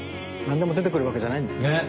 なんでも出てくるわけじゃないんですね。